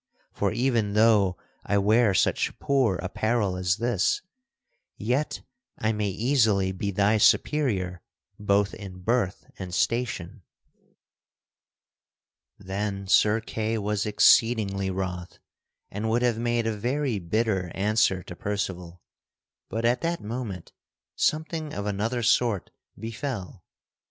For, even though I wear such poor apparel as this, yet I may easily be thy superior both in birth and station." [Sidenote: Sir Boindegardus enters the Queen's pavilion] Then Sir Kay was exceedingly wroth and would have made a very bitter answer to Percival, but at that moment something of another sort befell.